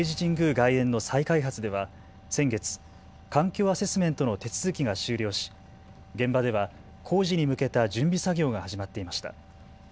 外苑の再開発では先月、環境アセスメントの手続きが終了し、現場では工事に向けた準備作業が始まっていました。